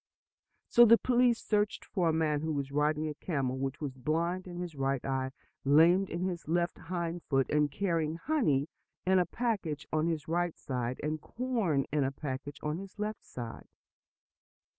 So the police searched for a man who was riding a camel which was blind in his right eye, lame in his left hind foot, and carrying honey in a package on his right side, and corn in a package on his left side.